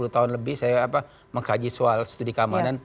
dua puluh tahun lebih saya mengkaji soal studi keamanan